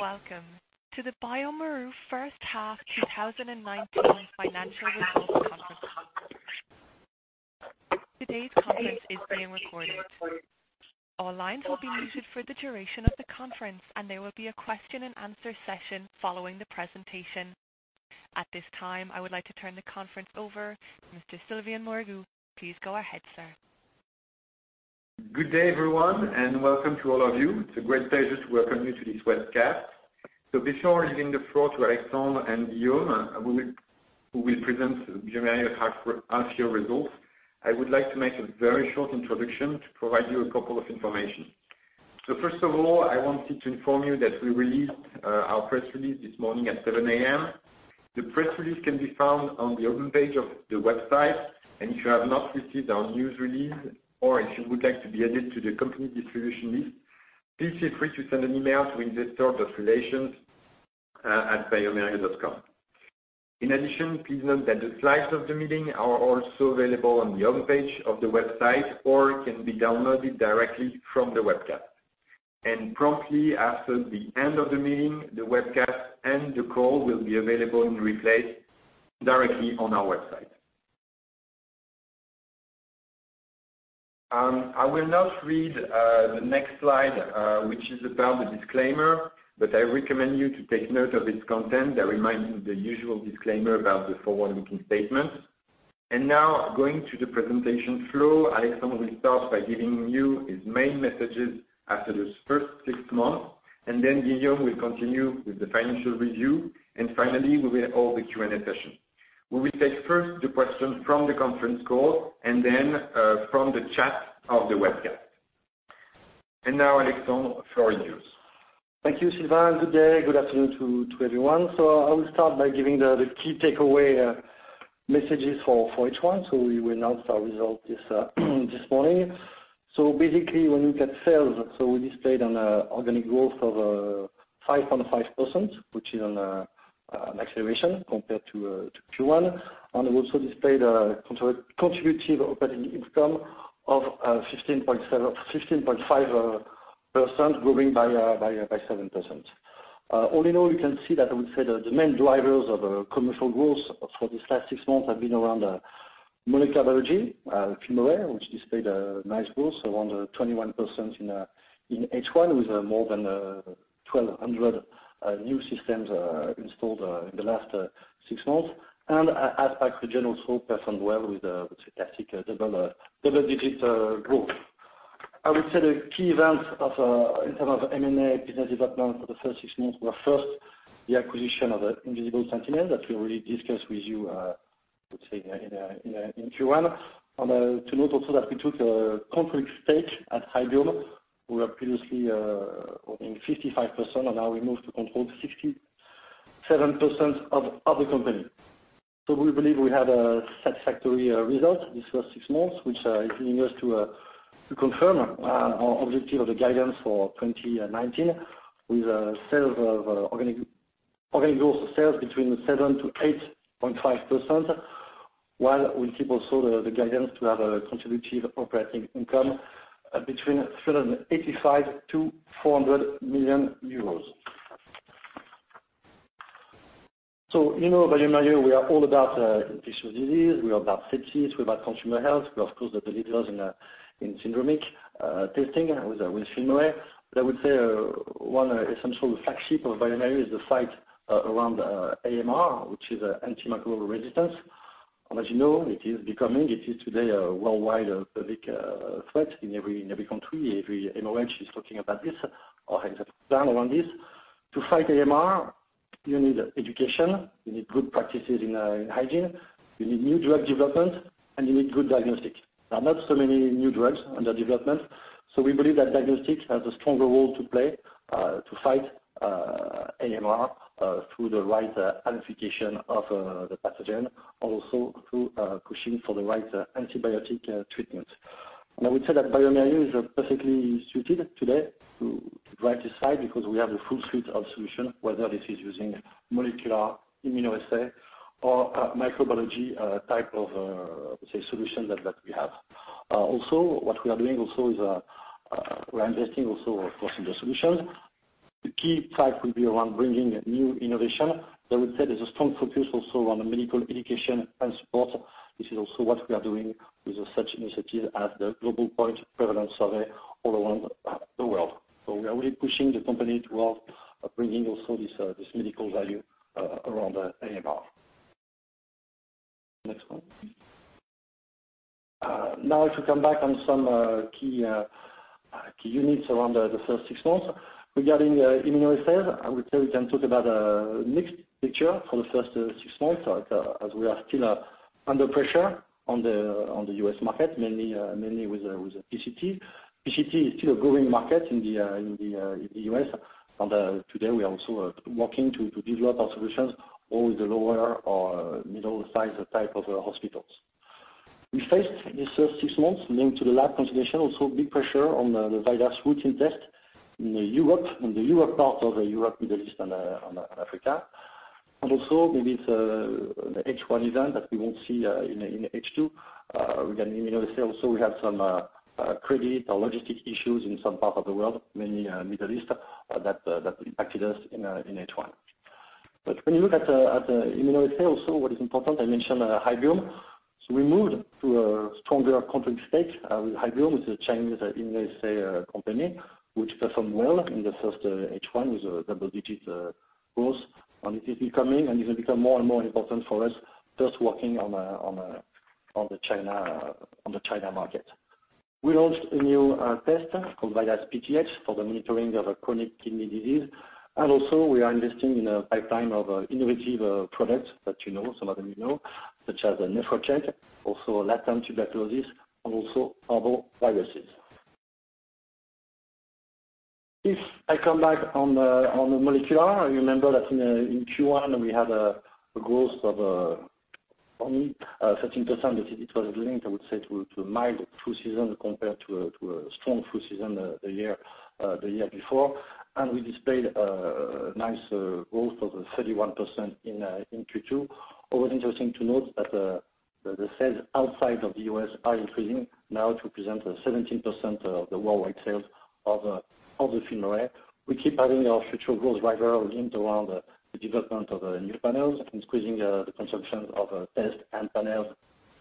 Good day. Welcome to the bioMérieux first half 2019 financial results conference. Today's conference is being recorded. All lines will be muted for the duration of the conference, and there will be a question and answer session following the presentation. At this time, I would like to turn the conference over to Mr. Sylvain Morgeau. Please go ahead, sir. Good day, everyone, welcome to all of you. It's a great pleasure to welcome you to this webcast. Before leaving the floor to Alexandre and Guillaume, who will present bioMérieux half year results, I would like to make a very short introduction to provide you a couple of information. First of all, I wanted to inform you that we released our press release this morning at 7:00 A.M. The press release can be found on the home page of the website, and if you have not received our news release, or if you would like to be added to the company distribution list, please feel free to send an email to investor.relations@biomerieux.com. In addition, please note that the slides of the meeting are also available on the home page of the website or can be downloaded directly from the webcast. Promptly after the end of the meeting, the webcast and the call will be available in replay directly on our website. I will not read the next slide, which is about the disclaimer, but I recommend you to take note of its content that reminds you the usual disclaimer about the forward-looking statement. Now going to the presentation flow, Alexandre will start by giving you his main messages after this first six months, then Guillaume will continue with the financial review. Finally, we will have all the Q&A session. We will take first the questions from the conference call and then from the chat of the webcast. Now Alexandre, the floor is yours. Thank you, Sylvain. Good day. Good afternoon to everyone. I will start by giving the key takeaway messages for each one. We announced our result this morning. Basically, when we look at sales, so we displayed an organic growth of 5.5%, which is an acceleration compared to Q1, and we also displayed a contributive operating income of 15.5% growing by 7%. All in all, you can see that I would say the main drivers of commercial growth for this last six months have been around molecular biology, FilmArray, which displayed a nice growth around 21% in H1 with more than 1,200 new systems installed in the last six months. ASPAC region also performed well with a fantastic double-digit growth. I would say the key events in terms of M&A business development for the first six months were first the acquisition of Invisible Sentinel that we already discussed with you, I would say, in Q1. To note also that we took a complete stake at Hybiome. We were previously holding 55%, and now we moved to control 67% of the company. We believe we had a satisfactory result this first six months, which is leading us to confirm our objective of the guidance for 2019 with organic growth sales between 7%-8.5%, while we keep also the guidance to have a contributive operating income between EUR 385 million-EUR 400 million. You know bioMérieux, we are all about infectious disease, we are about sepsis, we are about consumer health. We are of course the leaders in syndromic testing with FilmArray. I would say one essential flagship of bioMérieux is the fight around AMR, which is antimicrobial resistance. As you know, it is today a worldwide public threat in every country. Every MOH is talking about this or has a plan around this. To fight AMR, you need education, you need good practices in hygiene, you need new drug development, and you need good diagnostics. There are not so many new drugs under development. We believe that diagnostics has a stronger role to play to fight AMR through the right identification of the pathogen, also through pushing for the right antibiotic treatment. I would say that bioMérieux is perfectly suited today to drive this fight because we have a full suite of solution, whether this is using molecular, immunoassay, or microbiology type of solution that we have. What we are doing is we're investing of course in the solution. The key track will be around bringing new innovation. I would say there's a strong focus also on the medical education and support. This is also what we are doing with such initiatives as the Global Point Prevalence Survey all around the world. We are really pushing the company towards bringing also this medical value around AMR. Next one. If we come back on some key units around the first six months. Regarding immunoassays, I would say we can talk about a mixed picture for the first six months as we are still under pressure on the U.S. market, mainly with PCT. PCT is still a growing market in the U.S., today we are also working to develop our solutions all the lower or middle type of hospitals. We faced this first 6 months linked to the lab consolidation, also big pressure on the VIDAS routine test in the Europe, Middle East, and Africa. Maybe it's the H1 event that we will see in H2. We get immunoassays, so we have some credit or logistic issues in some parts of the world, mainly Middle East, that impacted us in H1. When you look at the immunoassay also, what is important, I mentioned Hybiome. We moved to a stronger controlling stake. Hybiome is a Chinese immunoassay company, which performed well in the first H1 with a double-digit growth. It is becoming, and it will become more and more important for us, just working on the China market. We launched a new test called VIDAS PTX for the monitoring of chronic kidney disease. Also we are investing in a pipeline of innovative products that you know, some of them you know, such as the NEPHROCHECK, also latent tuberculosis, and also other viruses. If I come back on the molecular, you remember that in Q1, we had a growth of only 13%, but it was linked, I would say, to mild flu season compared to a strong flu season the year before. We displayed a nice growth of 31% in Q2. Always interesting to note that the sales outside of the U.S. are increasing now to represent 17% of the worldwide sales of the FilmArray. We keep having our future growth driver linked around the development of new panels, increasing the consumption of tests and panels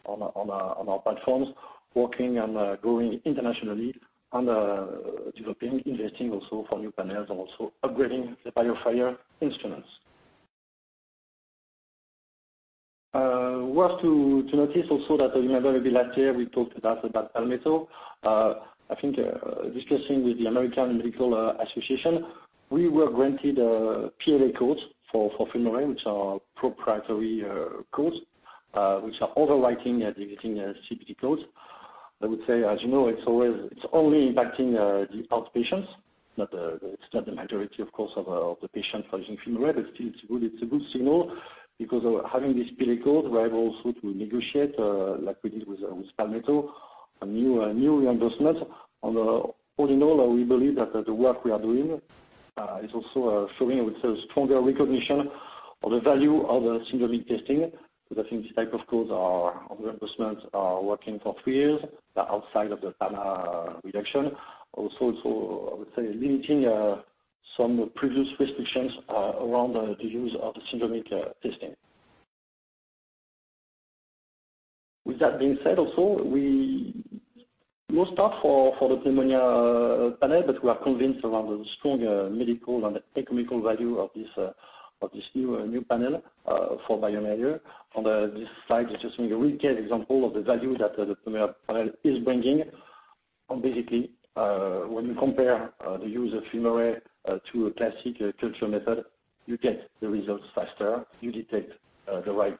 on our platforms, working on growing internationally and developing, investing also for new panels, and also upgrading the BioFire instruments. Worth to notice also that, you remember a bit last year, we talked about Palmetto. I think discussing with the American Medical Association, we were granted PLA codes for FilmArray, which are proprietary codes, which are overwriting and deleting CPT codes. I would say, as you know, it's only impacting the outpatients, it's not the majority, of course, of the patients using FilmArray. Still, it's a good signal because having these PLA codes will allow us also to negotiate, like we did with Palmetto, a new reimbursement. All in all, we believe that the work we are doing is also showing, I would say, stronger recognition of the value of the syndromic testing. I think this type of codes or reimbursements are working for three years outside of the panel reduction. Also, I would say limiting some previous restrictions around the use of the syndromic testing. With that being said, also, we lost out for the pneumonia panel, but we are convinced around the strong medical and economical value of this new panel for bioMérieux. On this slide, just a really great example of the value that the pneumonia panel is bringing. Basically, when you compare the use of FilmArray to a classic culture method, you get the results faster, you detect the right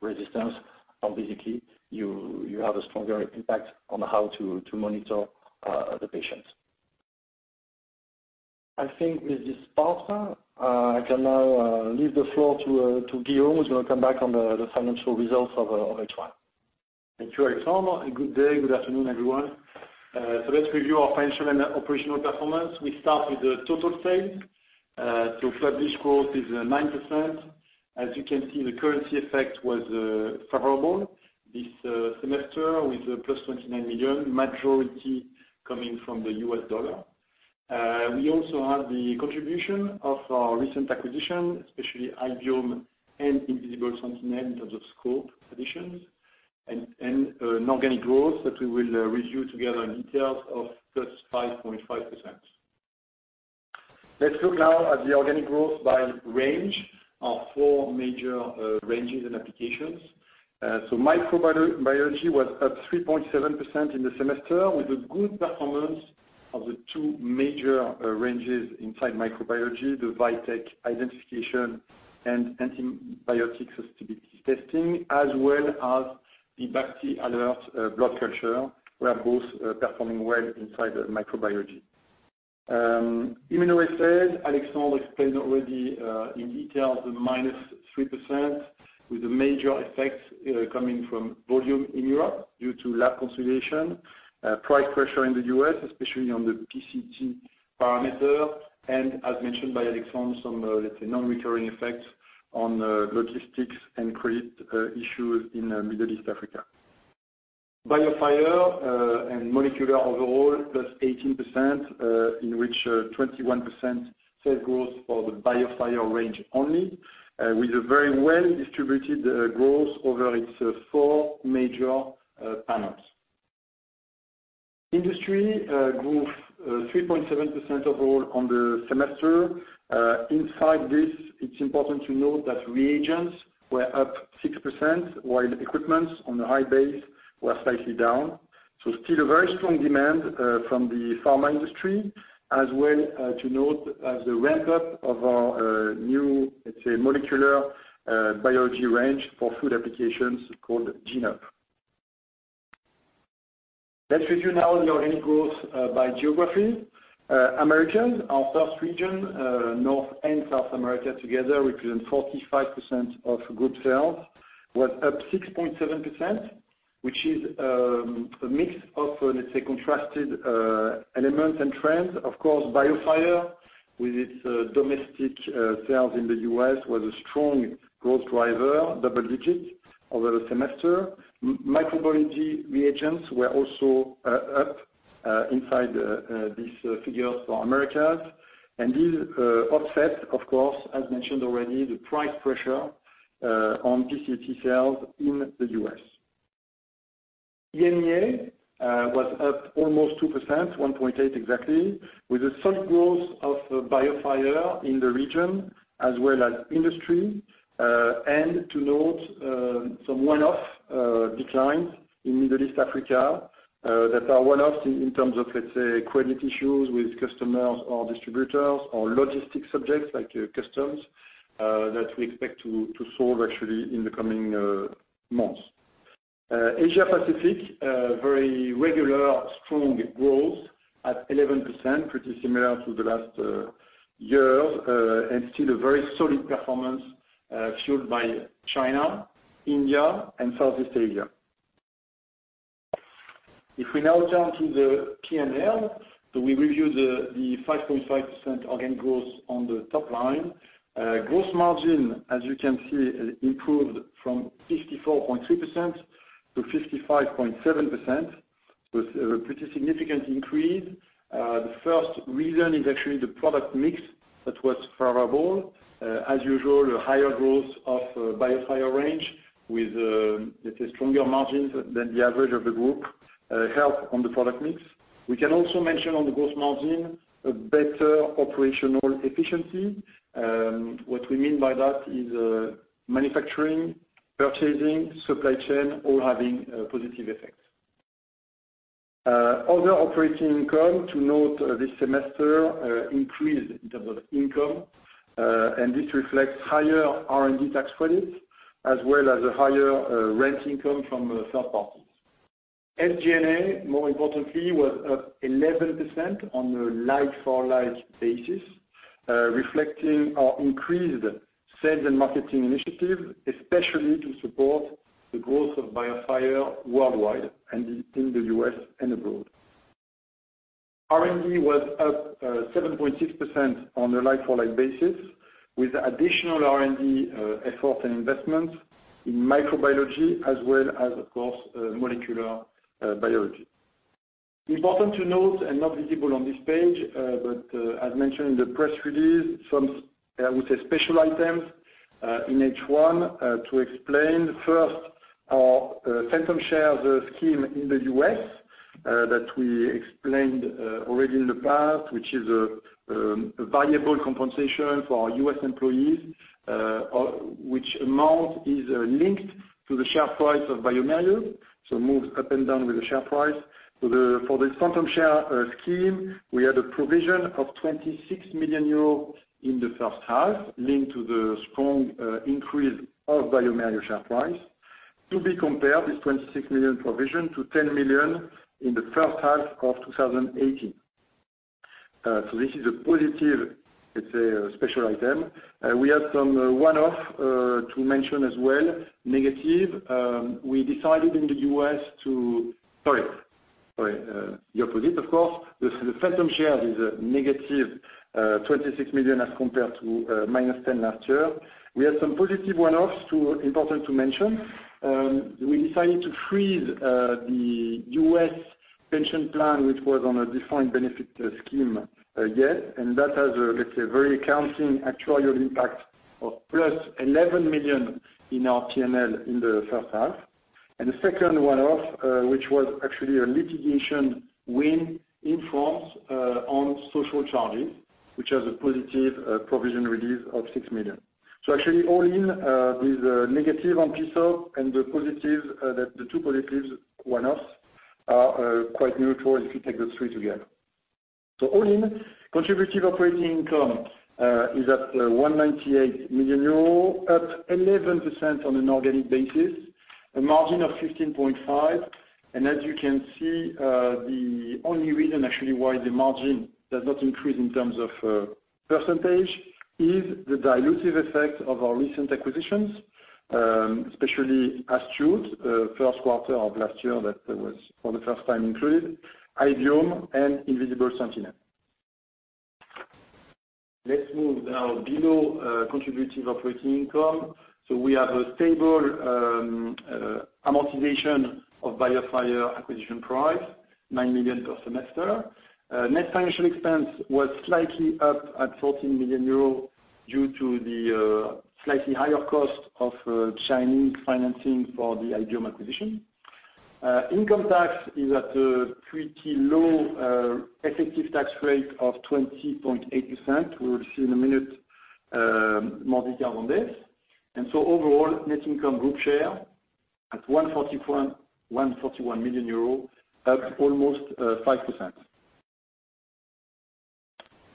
resistance, and basically, you have a stronger impact on how to monitor the patient. I think with this part, I can now leave the floor to Guillaume, who's going to come back on the financial results of H1. Thank you, Alexandre. Good day. Good afternoon, everyone. Let's review our financial and operational performance. We start with the total sales. Published growth is 9%. As you can see, the currency effect was favorable this semester with plus 29 million, majority coming from the U.S. dollar. We also have the contribution of our recent acquisition, especially Hybiome and Invisible Sentinel in terms of scope additions and organic growth that we will review together in detail of plus 5.5%. Let's look now at the organic growth by range, our four major ranges and applications. Microbiology was up 3.7% in the semester with a good performance of the two major ranges inside microbiology, the VITEK identification and antibiotic susceptibility testing, as well as the BACT/ALERT blood culture, were both performing well inside microbiology. Immunoassays, Alexandre explained already in detail the -3% with the major effects coming from volume in Europe due to lab consolidation, price pressure in the U.S., especially on the PCT parameter, and as mentioned by Alexandre, some, let's say, non-recurring effects on logistics and credit issues in Middle East/Africa. BioFire and molecular overall +18%, in which 21% sales growth for the BioFire range only, with a very well-distributed growth over its four major panels. Industry grew 3.7% overall on the semester. Inside this, it's important to note that reagents were up 6%, while equipments on a high base were slightly down. Still a very strong demand from the pharma industry. As well to note the ramp-up of our new, let's say, molecular biology range for food applications called GENE-UP. Let's review now the organic growth by geography. Americas, our first region, North and South America together represent 45% of group sales. It was up 6.7%, which is a mix of, let's say, contrasted elements and trends. Of course, BioFire, with its domestic sales in the U.S., was a strong growth driver, double digits over the semester. Microbiology reagents were also up inside these figures for Americas. These offset, of course, as mentioned already, the price pressure on PCT sales in the U.S. EMEA was up almost 2%, 1.8% exactly, with a solid growth of BioFire in the region as well as industry. To note some one-off declines in Middle East Africa that are one-offs in terms of, let's say, credit issues with customers or distributors or logistic subjects like customs, that we expect to solve actually in the coming months. Asia Pacific, very regular strong growth at 11%, pretty similar to the last year, still a very solid performance fueled by China, India, and Southeast Asia. If we now turn to the P&L, we review the 5.5% organic growth on the top line. Gross margin, as you can see, improved from 54.3% to 55.7%, was a pretty significant increase. The first reason is actually the product mix that was favorable. As usual, higher growth of BioFire range with, let's say, stronger margins than the average of the group helped on the product mix. We can also mention on the gross margin, a better operational efficiency. What we mean by that is manufacturing, purchasing, supply chain, all having positive effects. Other operating income to note this semester increased in terms of income, this reflects higher R&D tax credits, as well as a higher rent income from third parties. SG&A, more importantly, was up 11% on a like-for-like basis, reflecting our increased sales and marketing initiatives, especially to support the growth of BioFire worldwide and in the U.S. and abroad. R&D was up 7.6% on a like-for-like basis with additional R&D effort and investment in microbiology, as well as, of course, molecular biology. Important to note and not visible on this page, but as mentioned in the press release, some, I would say, special items in H1 to explain. First, our phantom share scheme in the U.S. that we explained already in the past, which is a variable compensation for our U.S. employees, which amount is linked to the share price of bioMérieux, so moves up and down with the share price. For the phantom share scheme, we had a provision of €26 million in the first half linked to the strong increase of bioMérieux share price. To be compared, this 26 million provision, to 10 million in the first half of 2018. This is a positive, let's say, special item. We had some one-off to mention as well. Negative, we decided in the U.S. to Sorry, the opposite, of course. The phantom share is a negative 26 million as compared to minus 10 million last year. We had some positive one-offs too, important to mention. We decided to freeze the U.S. pension plan, which was on a defined benefit scheme yet, and that has a, let's say, very accounting actuarial impact of plus 11 million in our P&L in the first half. The second one-off, which was actually a litigation win in France on social charges, which has a positive provision release of 6 million. Actually all in with negative on PISA and the two positives one-offs are quite neutral if you take those three together. All in, Contributive Operating Income is at 198 million euros, up 11% on an organic basis, a margin of 15.5%. As you can see, the only reason actually why the margin does not increase in terms of percentage is the dilutive effect of our recent acquisitions, especially Astute, first quarter of last year, that was for the first time included, Hybiome and Invisible Sentinel. Let's move now below Contributive Operating Income. We have a stable amortization of BioFire acquisition price, 9 million per semester. Net financial expense was slightly up at 14 million euros due to the slightly higher cost of Chinese financing for the Hybiome acquisition. Income tax is at a pretty low effective tax rate of 20.8%. We will see in a minute more detail on this. Overall, net income group share at 141 million euros, up almost 5%.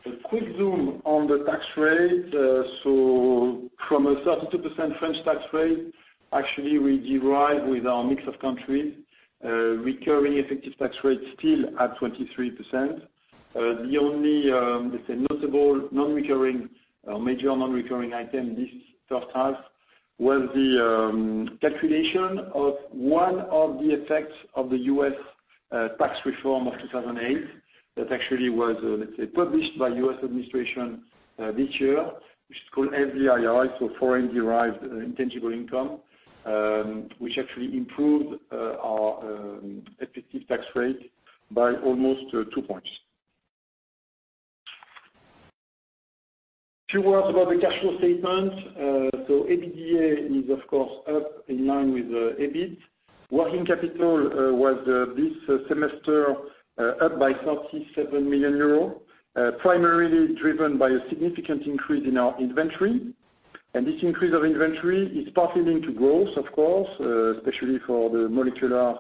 A quick zoom on the tax rate. From a 32% French tax rate, actually, we derive with our mix of countries, recurring effective tax rate still at 23%. The only, let's say notable major non-recurring item this first half was the calculation of one of the effects of the U.S. tax reform of 2008 that actually was, let's say, published by U.S. administration this year, which is called FDII, so foreign-derived intangible income, which actually improved our effective tax rate by almost two points. Two words about the cash flow statement. EBITDA is, of course, up in line with EBIT. Working capital was, this semester, up by 37 million euros, primarily driven by a significant increase in our inventory. This increase of inventory is partially linked to growth, of course, especially for the molecular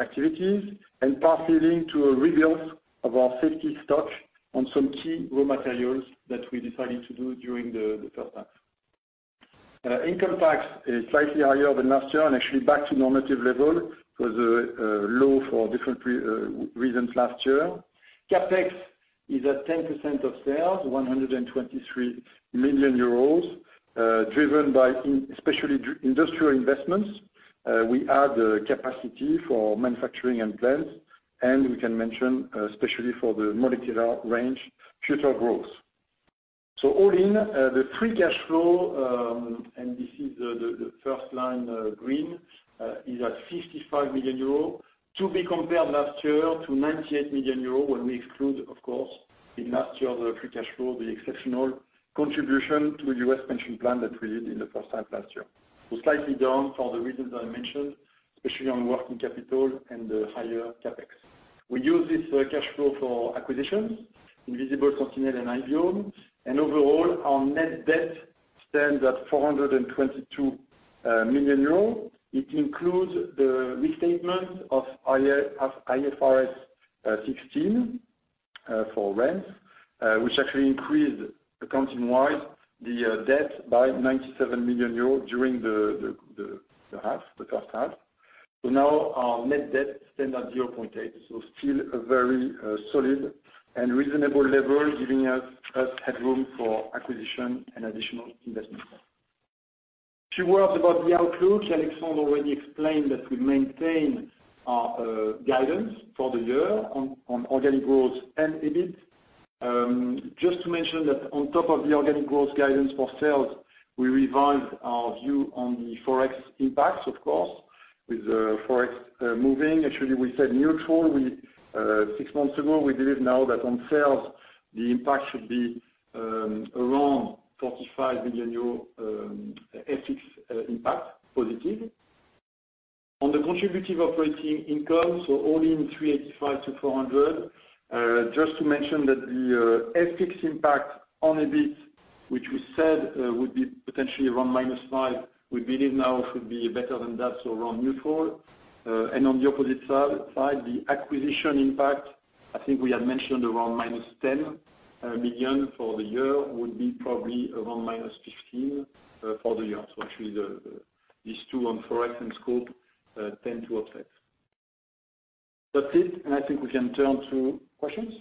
activities, and partially linked to a rebuild of our safety stock on some key raw materials that we decided to do during the first half. Income tax is slightly higher than last year and actually back to normative level. It was low for different reasons last year. CapEx is at 10% of sales, 123 million euros, driven by especially industrial investments. We add capacity for manufacturing and plants, and we can mention, especially for the molecular range, future growth. All in, the free cash flow, and this is the first line, green, is at 55 million euro, to be compared last year to 98 million euro when we exclude, of course, in last year the free cash flow, the exceptional contribution to the U.S. pension plan that we did in the first half last year. Slightly down for the reasons I mentioned, especially on working capital and higher CapEx. We use this cash flow for acquisitions, Invisible, [Sentinel] and iVium, and overall, our net debt stands at 422 million euros. It includes the restatement of IFRS 16 for rents, which actually increased accounting-wise the debt by 97 million euros during the first half. Now our net debt stands at 0.8, so still a very solid and reasonable level, giving us headroom for acquisition and additional investments. Few words about the outlook. Alexandre already explained that we maintain our guidance for the year on organic growth and EBIT. Just to mention that on top of the organic growth guidance for sales, we revised our view on the Forex impacts, of course, with Forex moving. Actually, we said neutral six months ago. We believe now that on sales, the impact should be around 45 million euro FX impact positive. On the Contributive Operating Income, all in 385 million-400 million. Just to mention that the FX impact on EBIT, which we said would be potentially around -5 million, we believe now should be better than that, so around neutral. On the opposite side, the acquisition impact, I think we had mentioned around -10 million for the year, would be probably around -15 million for the year. Actually, these two on Forex and scope tend to offset. That's it, and I think we can turn to questions.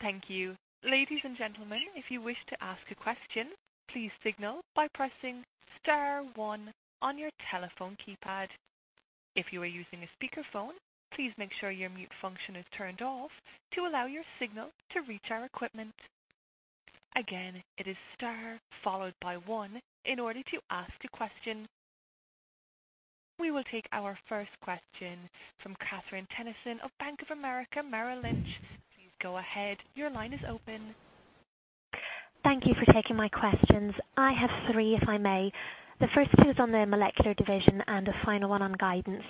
Thank you. Ladies and gentlemen, if you wish to ask a question, please signal by pressing star one on your telephone keypad. If you are using a speakerphone, please make sure your mute function is turned off to allow your signal to reach our equipment. Again, it is star followed by one in order to ask a question. We will take our first question from Katherine Tenison of Bank of America Merrill Lynch. Please go ahead. Your line is open. Thank you for taking my questions. I have three, if I may. The first two is on the molecular division and the final one on guidance.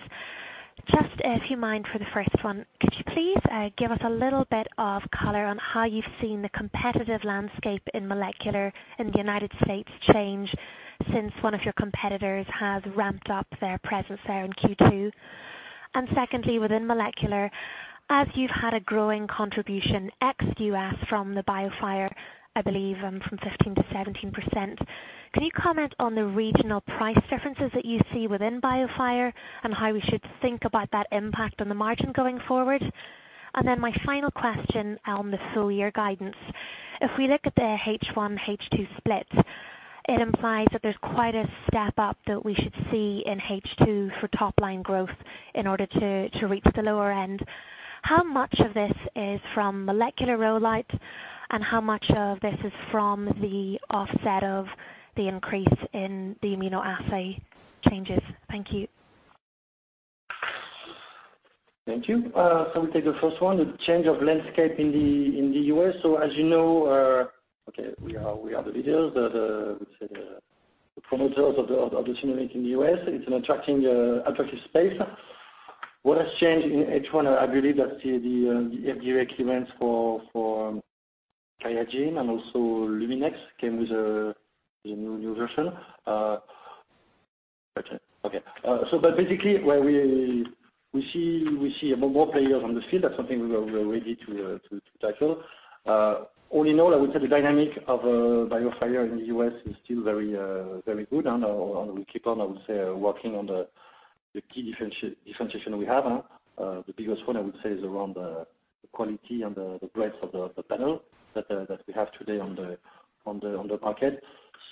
Just if you mind for the first one, could you please give us a little bit of color on how you've seen the competitive landscape in molecular in the United States change since one of your competitors has ramped up their presence there in Q2? Secondly, within molecular, as you've had a growing contribution ex-U.S. from the BioFire, I believe from 15%-17%, can you comment on the regional price differences that you see within BioFire and how we should think about that impact on the margin going forward? My final question on the full-year guidance. If we look at the H1, H2 splits, it implies that there's quite a step-up that we should see in H2 for top-line growth in order to reach the lower end. How much of this is from molecular rollouts, and how much of this is from the offset of the increase in the immunoassay changes? Thank you. Thank you. We'll take the first one, the change of landscape in the U.S. As you know, okay, we are the leaders, the promoters of the FilmArray in the U.S. It's an attractive space. What has changed in H1, I believe that the FDA clearance for GenMark and also Luminex came with a new version. Okay. Basically, we see more players on the field. That's something we are ready to tackle. All in all, I would say the dynamic of BioFire in the U.S. is still very good, and we keep on, I would say, working on the The key differentiation we have, the biggest one I would say is around the quality and the breadth of the panel that we have today on the market.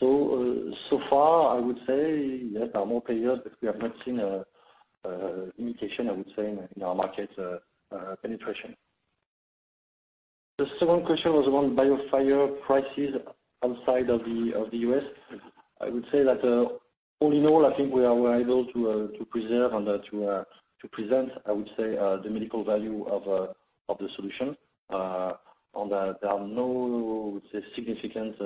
So far, I would say, there are more players, but we have not seen a limitation, I would say, in our market penetration. The second question was around BioFire prices outside of the U.S. I would say that all in all, I think we were able to preserve and to present, I would say, the medical value of the solution. There are no significant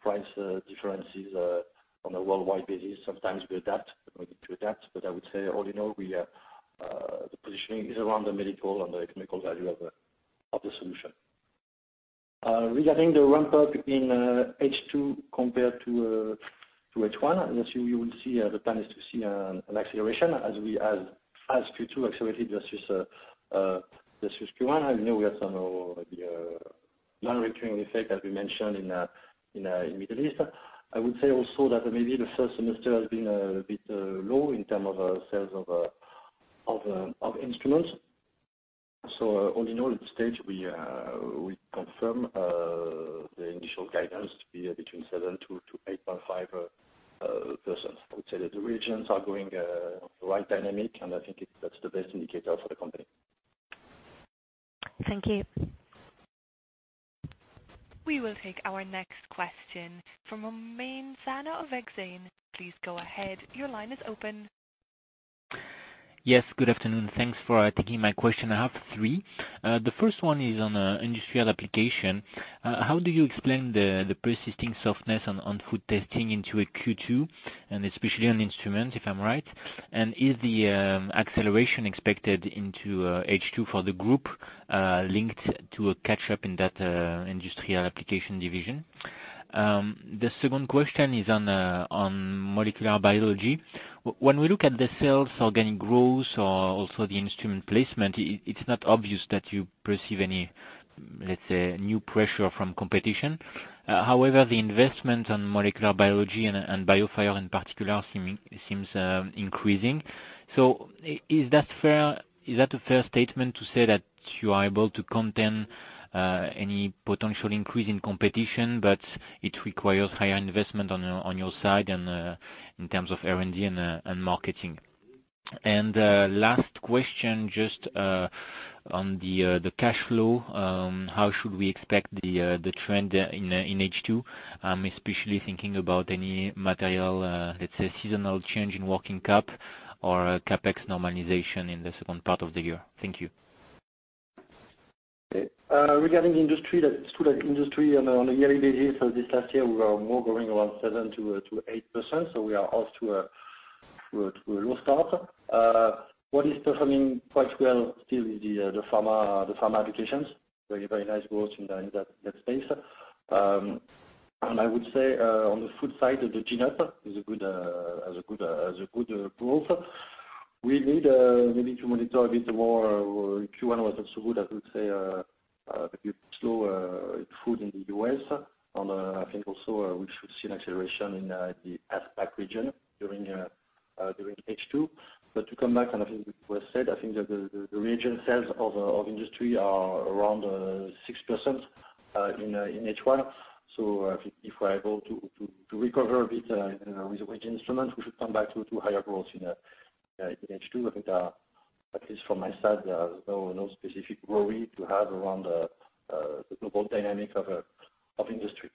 price differences on a worldwide basis. Sometimes we adapt. I would say all in all, the positioning is around the medical and the economical value of the solution. Regarding the ramp-up in H2 compared to H1, you will see the plan is to see an acceleration as Q2 accelerated versus Q1. We have some of the non-recurring effect as we mentioned in Middle East. I would say also that maybe the first semester has been a bit low in terms of sales of instruments. All in all, at this stage, we confirm the initial guidance to be between 7% to 8.5%. I would say that the regions are going the right dynamic, and I think that's the best indicator for the company. Thank you. We will take our next question from Romain Zana of Exane. Please go ahead. Your line is open. Yes, good afternoon. Thanks for taking my question. I have three. The first one is on industrial application. How do you explain the persisting softness on food testing into a Q2, and especially on instruments, if I'm right? Is the acceleration expected into H2 for the group linked to a catch-up in that industrial application division? The second question is on molecular biology. When we look at the sales, organic growth or also the instrument placement, it's not obvious that you perceive any new pressure from competition. However, the investment on molecular biology and BioFire in particular seems increasing. Is that a fair statement to say that you are able to contain any potential increase in competition, but it requires higher investment on your side and in terms of R&D and marketing? Last question, just on the cash flow. How should we expect the trend in H2? I'm especially thinking about any material, let's say seasonal change in working cap or CapEx normalization in the second part of the year. Thank you. Regarding industry, on a yearly basis, so this last year, we were more growing around 7%-8%, we are off to a low start. What is performing quite well still is the pharma applications. Very nice growth in that space. I would say on the food side, the GENE-UP has a good growth. We need maybe to monitor a bit more, Q1 was not so good, I would say, a bit slow with food in the U.S. I think also we should see an acceleration in the APAC region during H2. To come back on what was said, I think that the region sales of industry are around 6% in H1. I think if we are able to recover a bit with instruments, we should come back to higher growth in H2. I think at least from my side, there is no specific worry to have around the global dynamic of industry.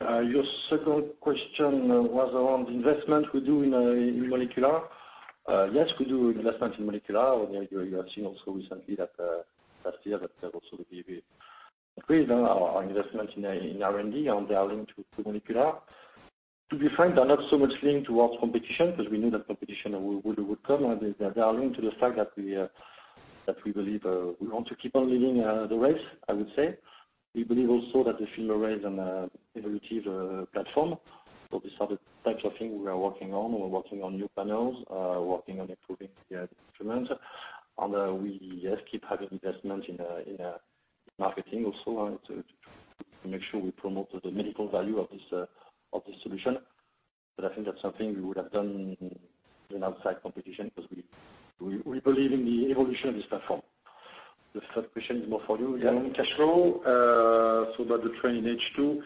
Your second question was around investment we do in molecular. We do investment in molecular. You have seen also recently that last year also we increased our investment in R&D, they are linked to molecular. To be frank, they are not so much linked towards competition because we knew that competition would come, they are linked to the fact that we believe we want to keep on leading the race, I would say. We believe also that the FilmArray is an evolutive platform. These are the types of things we are working on. We're working on new panels, working on improving the instruments. We, yes, keep having investments in marketing also to make sure we promote the medical value of this solution. I think that's something we would have done even outside competition because we believe in the evolution of this platform. The third question is more for you, regarding. Yeah. Cash flow. About the trend in H2.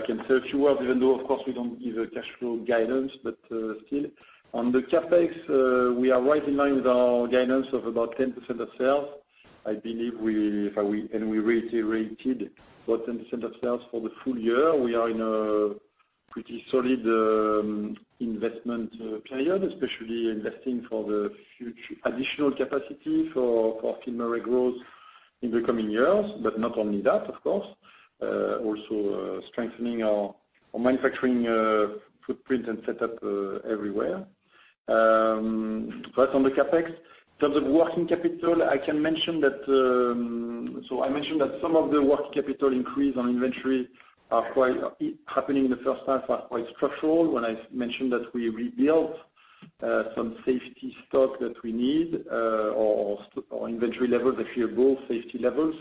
I can say a few words, even though, of course, we don't give a cash flow guidance, but still. On the CapEx, we are right in line with our guidance of about 10% of sales. I believe we reiterated about 10% of sales for the full year. We are in a pretty solid investment period, especially investing for the additional capacity for FilmArray growth in the coming years. Not only that, of course, also strengthening our manufacturing footprint and set up everywhere. That's on the CapEx. In terms of working capital, I can mention that some of the working capital increase on inventory happening in the first half are quite structural. When I mentioned that we rebuilt some safety stock that we need or inventory levels, if you will, safety levels.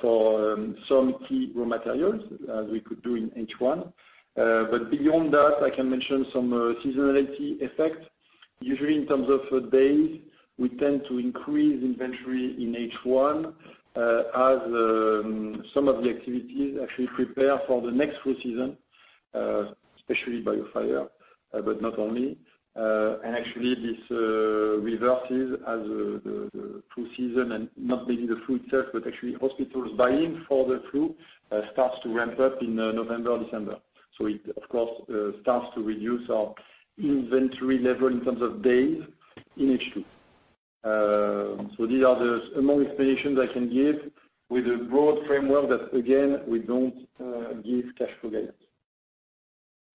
For some key raw materials as we could do in H1. Beyond that, I can mention some seasonality effects. Usually in terms of days, we tend to increase inventory in H1 as some of the activities actually prepare for the next flu season, especially BioFire, but not only. Actually, this reverses as the flu season and not maybe the flu itself, but actually hospitals buying for the flu starts to ramp up in November or December. It, of course, starts to reduce our inventory level in terms of days in H2. These are among explanations I can give with a broad framework that, again, we don't give cash flow guidance.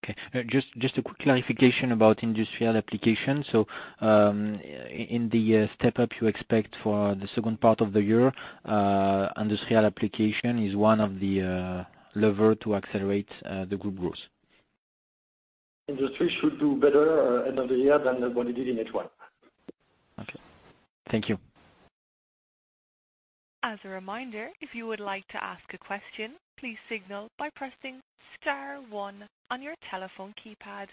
Okay. Just a quick clarification about industrial application. In the step-up you expect for the second part of the year, industrial application is one of the lever to accelerate the group growth? Industry should do better end of the year than what it did in H1. Okay. Thank you. As a reminder, if you would like to ask a question, please signal by pressing star one on your telephone keypad.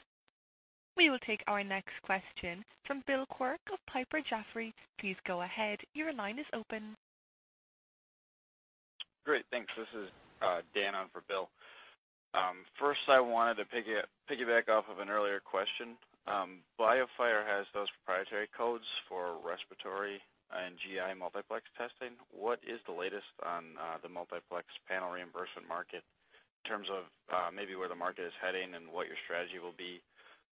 We will take our next question from Bill Quirk of Piper Jaffray. Please go ahead. Your line is open. Great. Thanks. This is Dan on for Bill. First, I wanted to piggyback off of an earlier question. BioFire has those proprietary codes for respiratory and GI multiplex testing. What is the latest on the multiplex panel reimbursement market in terms of maybe where the market is heading and what your strategy will be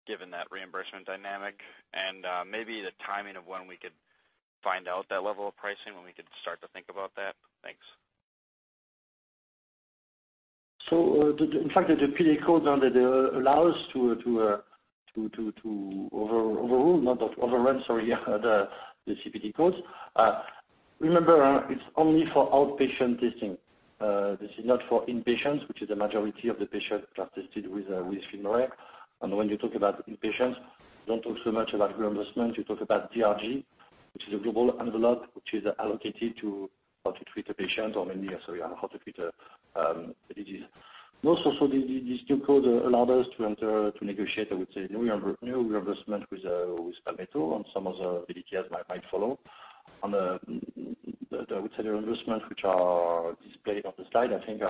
given that reimbursement dynamic? Maybe the timing of when we could find out that level of pricing, when we could start to think about that? Thanks. In fact, the PLA codes allow us to overrule, not overrun, sorry, the CPT codes. Remember, it's only for outpatient testing. This is not for inpatients, which is the majority of the patients that are tested with FilmArray. When you talk about inpatients, don't talk so much about reimbursement, you talk about DRG, which is a global envelope, which is allocated to how to treat a patient or mainly, sorry, how to treat a disease. Most also, these two codes allowed us to enter to negotiate, I would say, new reimbursement with Palmetto and some other MACs might follow. On the, I would say, the reimbursement which are displayed on the slide, I think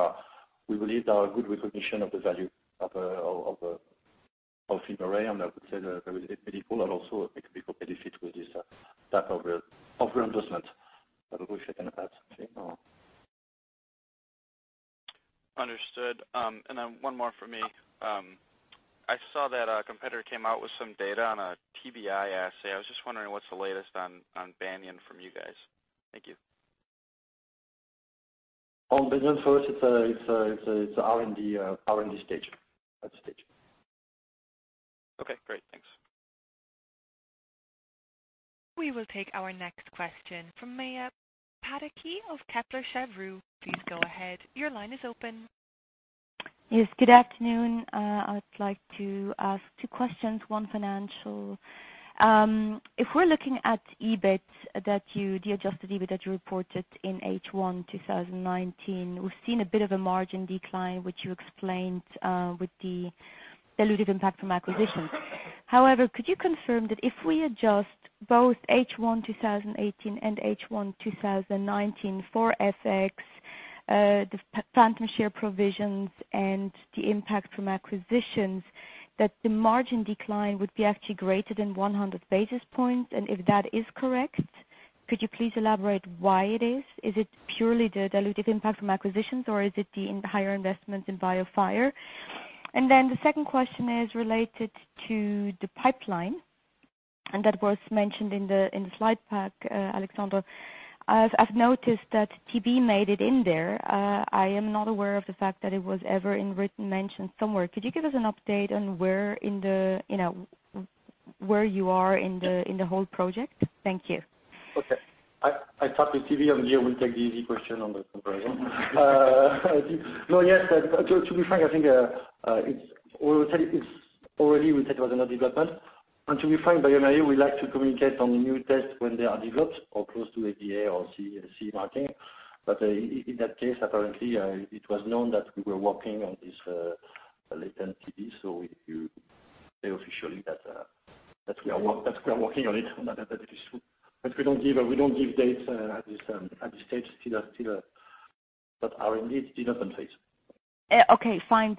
we believe there are good recognition of the value of FilmArray, and I would say that there is a medical and also a big medical benefit with this type of reimbursement. I don't know if you can add something or. Understood. One more from me. I saw that a competitor came out with some data on a TBI assay. I was just wondering what's the latest on Banyan from you guys. Thank you. On Banyan for us, it's R&D stage. Okay, great. Thanks. We will take our next question from Maja Pataki of Kepler Cheuvreux. Please go ahead. Your line is open. Yes. Good afternoon. I would like to ask two questions, one financial. If we're looking at EBIT, the adjusted EBIT that you reported in H1 2019, we've seen a bit of a margin decline, which you explained with the dilutive impact from acquisitions. Could you confirm that if we adjust both H1 2018 and H1 2019 for FX, the phantom share provisions, and the impact from acquisitions, that the margin decline would be actually greater than 100 basis points? If that is correct, could you please elaborate why it is? Is it purely the dilutive impact from acquisitions, or is it the higher investment in BioFire? The second question is related to the pipeline, that was mentioned in the slide pack, Alexandre. I've noticed that TB made it in there. I am not aware of the fact that it was ever in written mention somewhere. Could you give us an update on where you are in the whole project? Thank you. Okay. I talked with TV earlier, we'll take the easy question on the comparison. To be frank, I think, already we said it was under development. To be frank, bioMérieux, we like to communicate on the new tests when they are developed or close to FDA or CE marking. In that case, apparently, it was known that we were working on this latent TB, so we say officially that we are working on it. That is true. We don't give dates at this stage. It is still at R&D development phase. Okay, fine.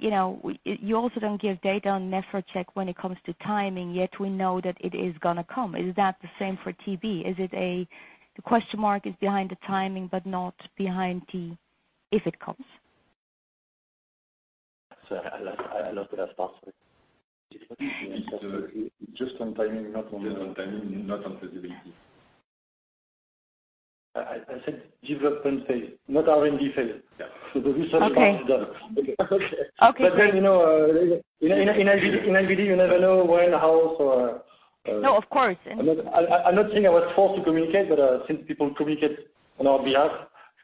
You also don't give data on NEPHROCHECK when it comes to timing, yet we know that it is going to come. Is that the same for TB? Is it a question mark is behind the timing, but not behind the if it comes? I'll let that answer. Just on timing, not on feasibility. I said development phase, not R&D phase. Yeah. The research part is done. Okay. In IVD, you never know when, how. No, of course. I'm not saying I was forced to communicate, but since people communicate on our behalf,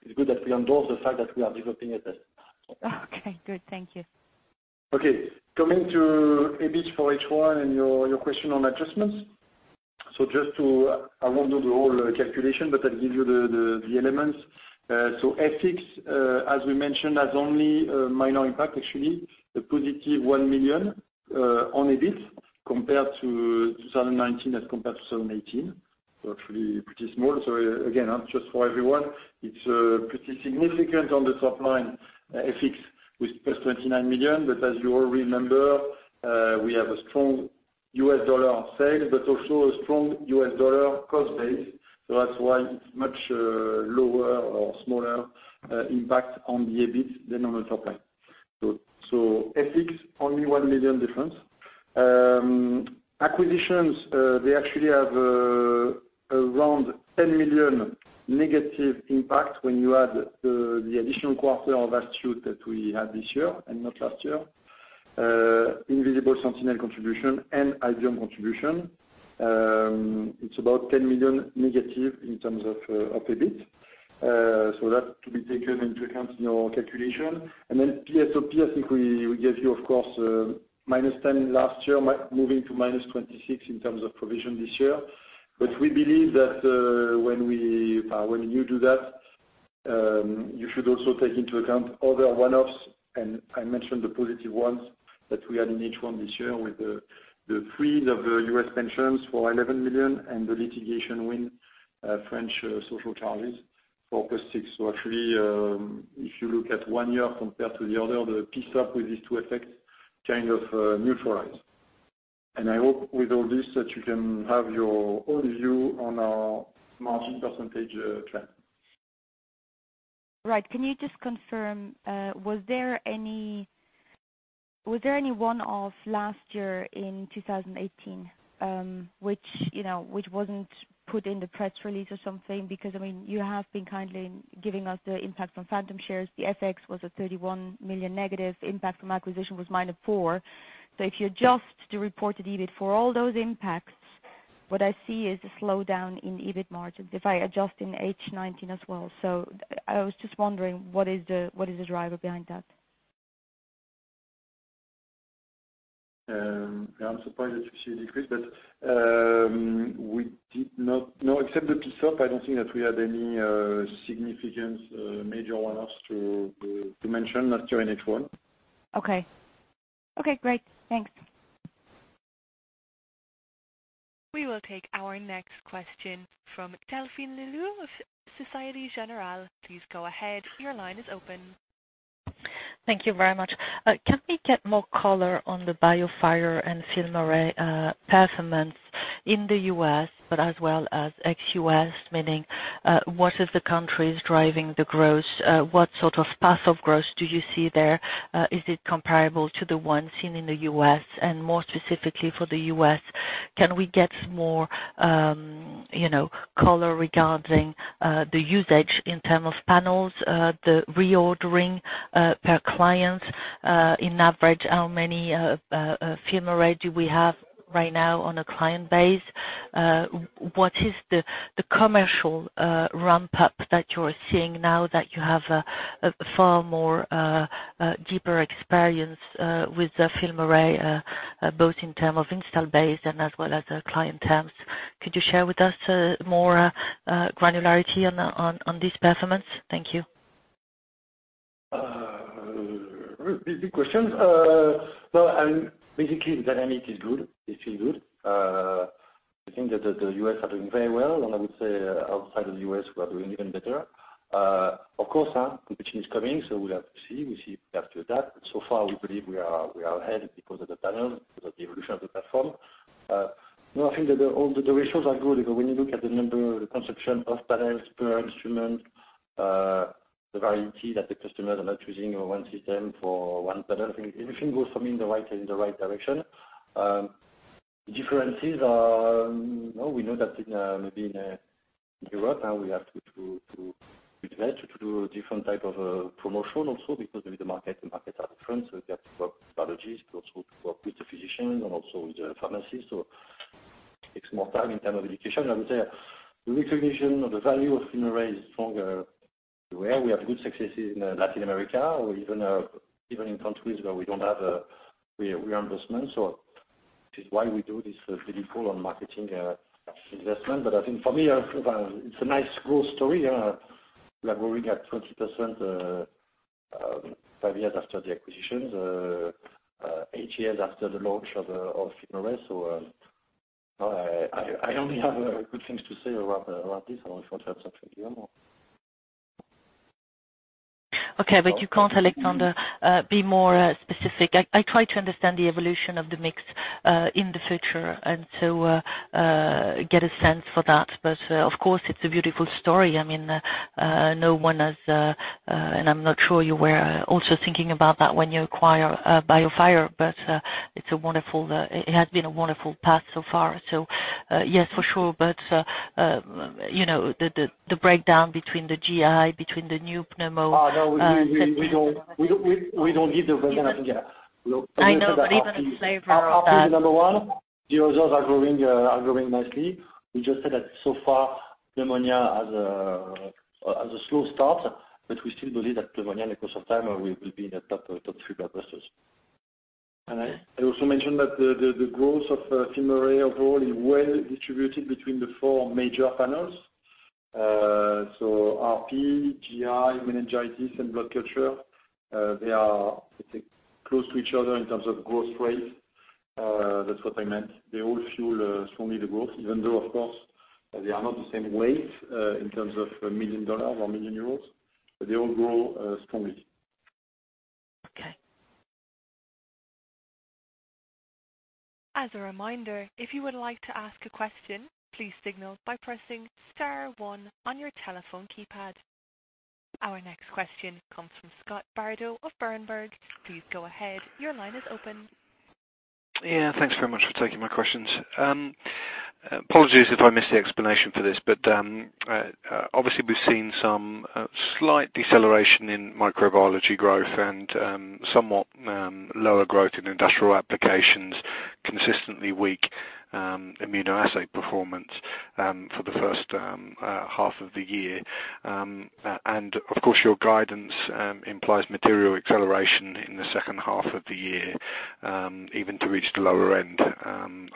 it's good that we endorse the fact that we are developing a test. Okay, good. Thank you. Coming to EBIT for H1 and your question on adjustments. I won't do the whole calculation, but I'll give you the elements. FX, as we mentioned, has only a minor impact, actually, a positive 1 million on EBIT compared to 2019 as compared to 2018. Actually pretty small. Again, just for everyone, it's pretty significant on the top line, FX with +29 million. As you all remember, we have a strong U.S. dollar on sale, but also a strong U.S. dollar cost base. That's why it's much lower or smaller impact on the EBIT than on the top line. FX, only 1 million difference. Acquisitions, they actually have around 10 million negative impact when you add the additional quarter of Astute that we had this year and not last year. Invisible Sentinel contribution and IDM contribution. It's about 10 million negative in terms of EBIT. That's to be taken into account in your calculation. PSOP, I think we gave you, of course, minus 10 last year, moving to minus 26 in terms of provision this year. We believe that when you do that, you should also take into account other one-offs. I mentioned the positive ones that we had in H1 this year with the freed of the U.S. pensions for 11 million and the litigation win French social charges for plus 6. Actually, if you look at one year compared to the other, the PSOP with these two effects kind of neutralize. I hope with all this that you can have your own view on our margin % trend. Right. Can you just confirm, was there any one-off last year in 2018, which wasn't put in the press release or something? You have been kindly giving us the impact from phantom shares. The FX was a 31 million negative, impact from acquisition was minus 4 million. If you adjust the reported EBIT for all those impacts, what I see is a slowdown in EBIT margins if I adjust in H19 as well. I was just wondering, what is the driver behind that? I'm surprised that you see a decrease, but no, except the PSOP, I don't think that we had any significant major one-offs to mention last year in H1. Okay. Great. Thanks. We will take our next question from Delphine Leloup of Société Générale. Please go ahead. Your line is open. Thank you very much. Can we get more color on the BioFire and FilmArray performance in the U.S., as well as ex-U.S., meaning what are the countries driving the growth? What sort of path of growth do you see there? Is it comparable to the one seen in the U.S.? More specifically for the U.S., can we get more color regarding the usage in terms of panels, the reordering per client? On average, how many FilmArray do we have right now on a client base? What is the commercial ramp-up that you're seeing now that you have a far more deeper experience with the FilmArray, both in terms of install base and as well as client terms? Could you share with us more granularity on this performance? Thank you. Big question. Basically, the dynamic is good. It's still good. I think that the U.S. are doing very well, and I would say outside of the U.S., we are doing even better. Of course, competition is coming, so we have to see. We see after that. So far, we believe we are ahead because of the panel, because of the evolution of the platform. No, I think that the ratios are good. When you look at the number, the consumption of panels per instrument, the variety that the customers are not using one system for one panel, I think everything goes for me in the right direction. Differences are, we know that maybe in Europe, now we have to invest to do a different type of promotion also because the markets are different. We have to work with biologists, we also work with the physicians and also with the pharmacies. It takes more time in term of education. I would say the recognition of the value of FilmArray is stronger. We have good successes in Latin America or even in countries where we don't have a reimbursement. This is why we do this pretty cool on marketing investment. I think for me, it's a nice growth story. We are growing at 20% 5 years after the acquisition, 8 years after the launch of FilmArray. I only have good things to say about this in terms of volume. Okay. You can't, Alexandre, be more specific. I try to understand the evolution of the mix in the future and to get a sense for that. Of course, it's a beautiful story. No one has, and I'm not sure you were also thinking about that when you acquire BioFire, but it has been a wonderful path so far. Yes, for sure. The breakdown between the GI, between the new pneumo- No, we don't give the breakdown. I know, even a flavor of that. Our number 1, the others are growing nicely. We just said that so far, pneumonia has a slow start, but we still believe that pneumonia in the course of time will be in the top 3 blockbusters. I also mentioned that the growth of FilmArray overall is well distributed between the 4 major panels. RP, GI, meningitis, and blood culture, they are close to each other in terms of growth rate. That's what I meant. They all fuel strongly the growth, even though, of course, they are not the same weight in terms of million EUR or million EUR, but they all grow strongly. Okay. As a reminder, if you would like to ask a question, please signal by pressing star one on your telephone keypad. Our next question comes from Scott Bardo of Berenberg. Please go ahead. Your line is open. Thanks very much for taking my questions. Apologies if I missed the explanation for this, obviously we've seen some slight deceleration in microbiology growth and somewhat lower growth in industrial applications, consistently weak immunoassay performance for the first half of the year. Of course, your guidance implies material acceleration in the second half of the year, even to reach the lower end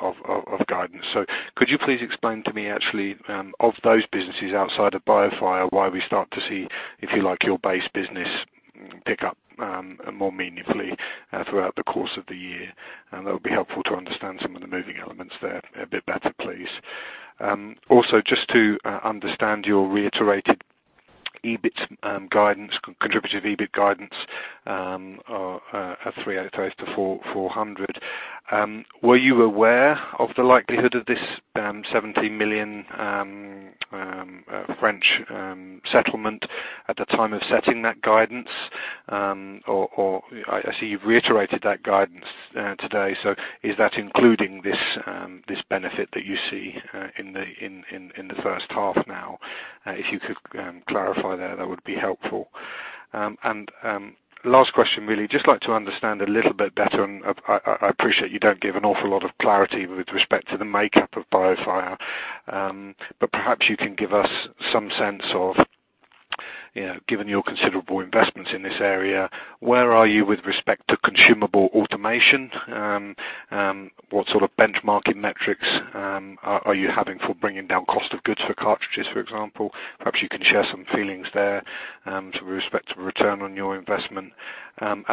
of guidance. Could you please explain to me actually, of those businesses outside of BioFire, why we start to see, if you like, your base business pick up more meaningfully throughout the course of the year? That'll be helpful to understand some of the moving elements there a bit better, please. Also, just to understand your reiterated contributive EBIT guidance of 385-400. Were you aware of the likelihood of this 70 million settlement at the time of setting that guidance? I see you've reiterated that guidance today, so is that including this benefit that you see in the first half now? If you could clarify that would be helpful. Last question really. I'd just like to understand a little bit better, and I appreciate you don't give an awful lot of clarity with respect to the makeup of BioFire. Perhaps you can give us some sense of, given your considerable investments in this area, where are you with respect to consumable automation? What sort of benchmarking metrics are you having for bringing down cost of goods for cartridges, for example? Perhaps you can share some feelings there, with respect to return on your investment.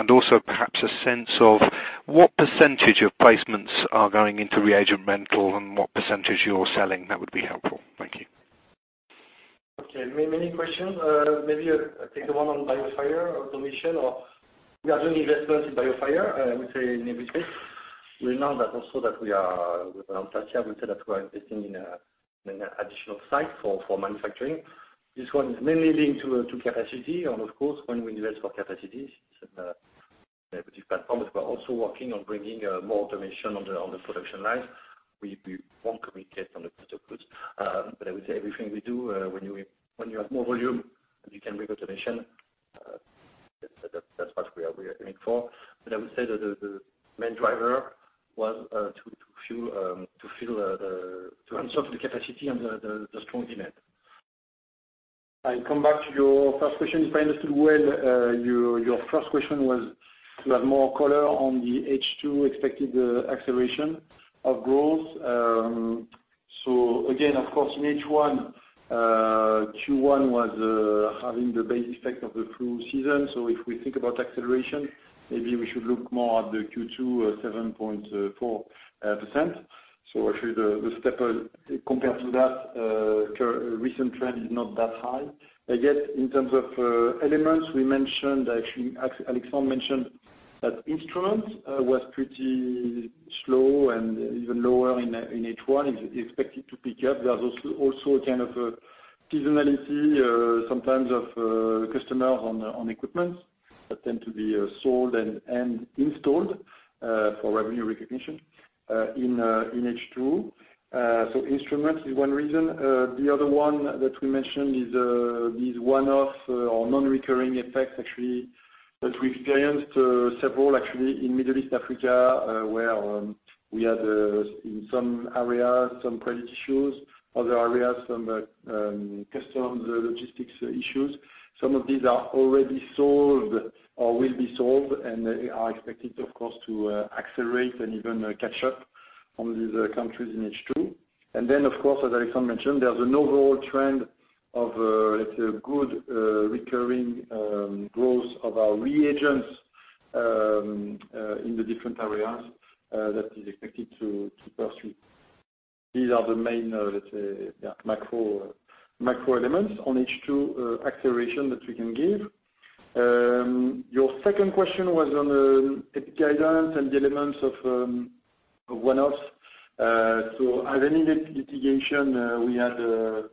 Also perhaps a sense of what percentage of placements are going into reagent rental and what percentage you're selling, that would be helpful. Thank you. Okay. Many questions. Maybe I take the one on BioFire automation. We are doing investments in BioFire, I would say in every space. We announced that also that we are with Antacia, we said that we are investing in an additional site for manufacturing. This one is mainly linked to capacity and of course, when we invest for capacity, it's an innovative platform, but we're also working on bringing more automation on the production lines. We won't communicate on the cost of goods. I would say everything we do, when you have more volume, you can bring automation. That's what we are aiming for. I would say that the main driver was to answer the capacity and the strong demand. I come back to your first question. If I understood well, your first question was to have more color on the H2 expected acceleration of growth. Again, of course, in H1, Q1 was having the base effect of the flu season. If we think about acceleration, maybe we should look more at the Q2, 7.4%. Actually the step compared to that recent trend is not that high. Again, in terms of elements, Alexandre mentioned that instruments was pretty slow and even lower in H1, is expected to pick up. There's also kind of a seasonality sometimes of customers on equipment that tend to be sold and installed, for revenue recognition, in H2. Instruments is one reason. The other one that we mentioned is these one-off or non-recurring effects actually, that we've experienced several actually in Middle East Africa, where we had, in some areas, some credit issues, other areas, some customs logistics issues. Some of these are already solved or will be solved and are expected of course, to accelerate and even catch up on these countries in H2. Of course, as Alexandre mentioned, there's an overall trend of a good recurring growth of our reagents in the different areas, that is expected to pursue. These are the main macro elements on H2 acceleration that we can give. Your second question was on the ROC guidance and the elements of one-offs. Any litigation we had,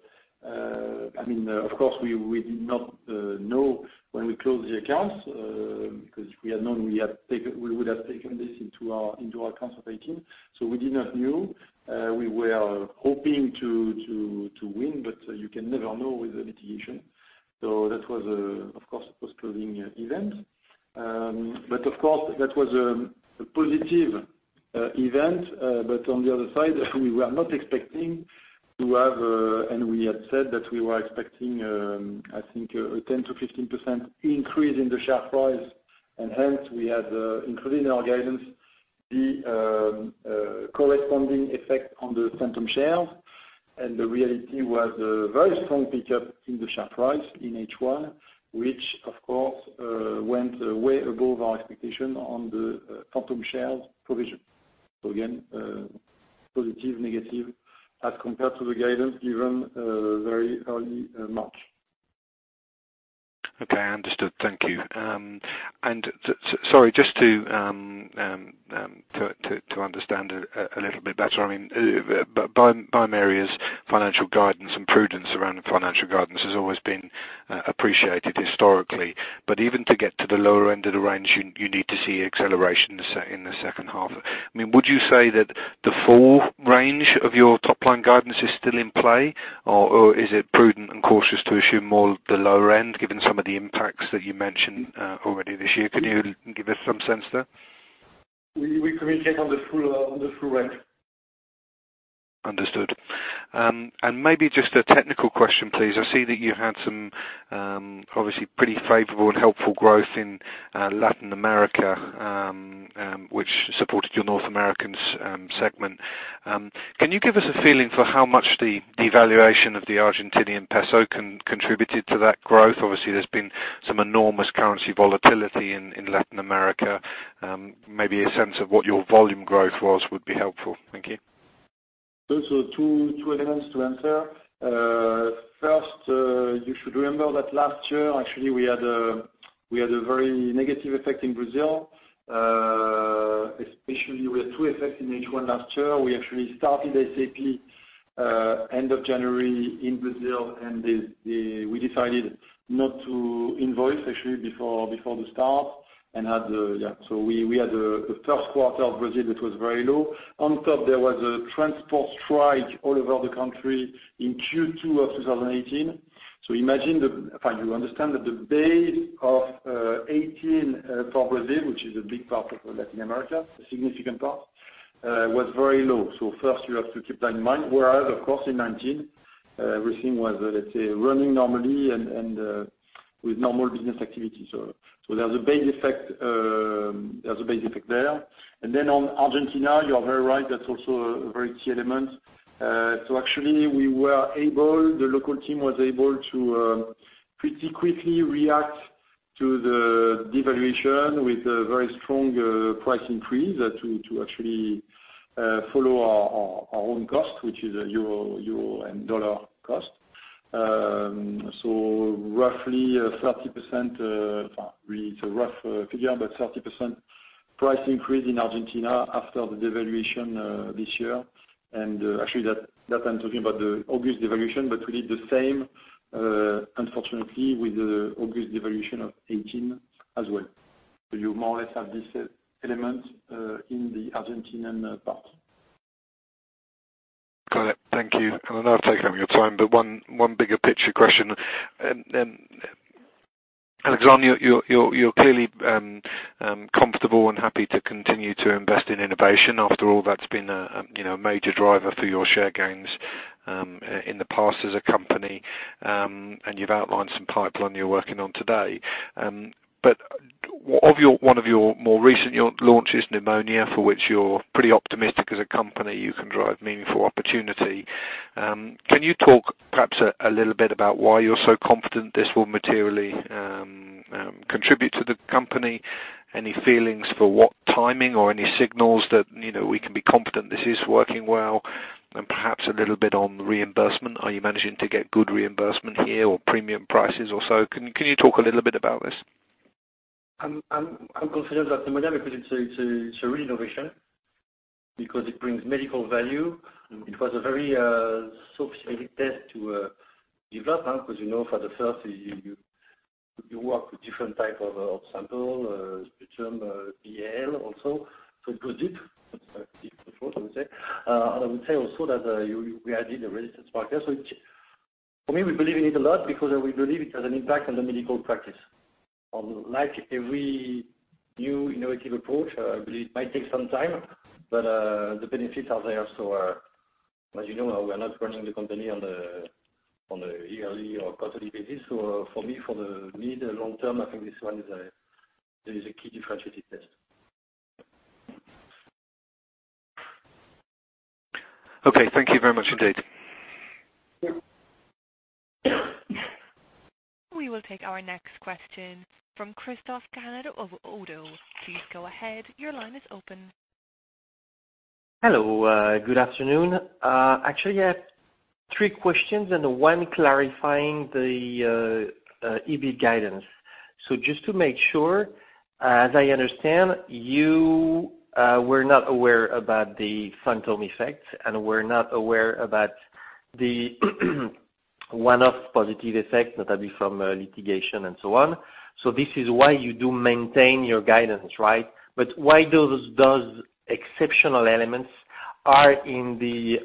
of course we did not know when we closed the accounts, because if we had known, we would have taken this into our accounts. We did not know. We were hoping to win, you can never know with the litigation. That was, of course, a post-closing event. Of course, that was a positive event. On the other side, we were not expecting to have, and we had said that we were expecting, I think, a 10%-15% increase in the share price, and hence we had included in our guidance the corresponding effect on the phantom shares. The reality was a very strong pickup in the share price in H1, which of course, went way above our expectation on the phantom shares provision. Again, positive, negative as compared to the guidance given very early March. Okay, understood. Thank you. Sorry, just to understand a little bit better. bioMérieux's financial guidance and prudence around the financial guidance has always been appreciated historically. Even to get to the lower end of the range, you need to see acceleration in the second half. Would you say that the full range of your top-line guidance is still in play, or is it prudent and cautious to assume more the lower end, given some of the impacts that you mentioned already this year? Can you give us some sense there? We communicate on the full range. Understood. Maybe just a technical question, please. I see that you had some obviously pretty favorable and helpful growth in Latin America, which supported your North American segment. Can you give us a feeling for how much the devaluation of the Argentine peso contributed to that growth? Obviously, there's been some enormous currency volatility in Latin America. Maybe a sense of what your volume growth was would be helpful. Thank you. Those are two elements to answer. First, you should remember that last year, actually, we had a very negative effect in Brazil. Especially we had two effects in H1 last year. We actually started SAP end of January in Brazil, and we decided not to invoice actually before the start. We had the first quarter of Brazil that was very low. On top, there was a transport strike all over the country in Q2 of 2018. Imagine if you understand that the base of 2018 for Brazil, which is a big part of Latin America, a significant part, was very low. First you have to keep that in mind. Whereas, of course, in 2019, everything was, let's say, running normally and with normal business activity. There's a base effect there. Then on Argentina, you are very right, that's also a very key element. Actually, the local team was able to pretty quickly react to the devaluation with a very strong price increase to actually follow our own cost, which is EUR and dollar cost. Roughly 30%, it's a rough figure, but 30% price increase in Argentina after the devaluation this year. Actually, that I'm talking about the August devaluation, but we did the same, unfortunately, with the August devaluation of 2018 as well. You more or less have this element in the Argentinian part. Got it. Thank you. I know I've taken up your time, but one bigger picture question. Alexandre, you're clearly comfortable and happy to continue to invest in innovation. After all, that's been a major driver for your share gains, in the past as a company. You've outlined some pipeline you're working on today. One of your more recent launches, pneumonia, for which you're pretty optimistic as a company, you can drive meaningful opportunity. Can you talk perhaps a little bit about why you're so confident this will materially contribute to the company? Any feelings for what timing or any signals that we can be confident this is working well? Perhaps a little bit on reimbursement. Are you managing to get good reimbursement here or premium prices or so? Can you talk a little bit about this? I'm confident that pneumonia, because it's a real innovation, because it brings medical value. It was a very sophisticated test to develop, because for the first, you work with different type of sample, sputum, BAL also. It was deep I would say. I would say also that we added a resistance marker. For me, we believe in it a lot because we believe it has an impact on the medical practice. On like every new innovative approach, I believe it might take some time, but the benefits are there. As you know, we're not running the company on a yearly or quarterly basis. For me, for the mid-long term, I think this one is a key differentiated test. Okay. Thank you very much indeed. Yeah. We will take our next question from Christophe Gahan of Oddo. Please go ahead. Your line is open. Hello, good afternoon. Actually I have three questions and one clarifying the EB guidance. Just to make sure, as I understand, you were not aware about the phantom effect and were not aware about the one-off positive effects, notably from litigation and so on. This is why you do maintain your guidance, right? Why those exceptional elements are in the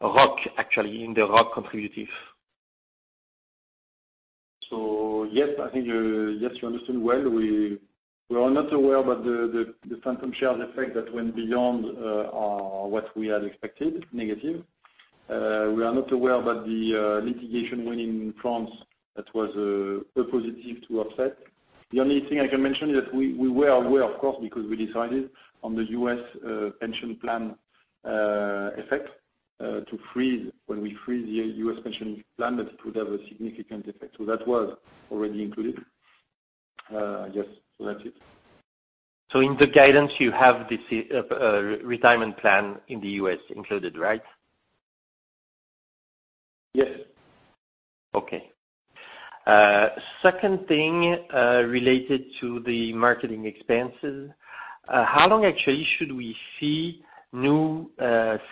ROC actually, in the ROC contributive? Yes, I think you understand well. We are not aware about the phantom share effect that went beyond what we had expected, negative. We are not aware about the litigation win in France that was a positive to offset. The only thing I can mention is that we were aware, of course, because we decided on the U.S. pension plan effect, when we freeze the U.S. pension plan, that it would have a significant effect. That was already included. I guess, that's it. In the guidance, you have this retirement plan in the U.S. included, right? Yes. Okay. Second thing, related to the marketing expenses. How long actually should we see new